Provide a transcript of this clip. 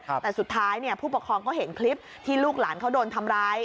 แต่สุดท้ายเนี่ยผู้ปกครองเขาเห็นคลิปที่ลูกหลานเขาโดนทำร้าย